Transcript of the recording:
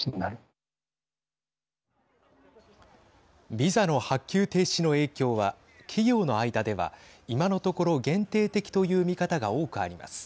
ビザの発給停止の影響は企業の間では今のところ限定的という見方が多くあります。